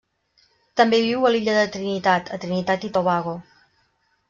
També viu a l'illa de Trinitat, a Trinitat i Tobago.